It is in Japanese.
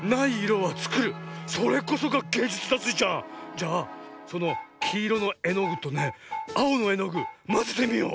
じゃあそのきいろのえのぐとねあおのえのぐまぜてみよう。